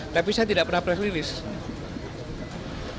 tapi saya tidak pernah press release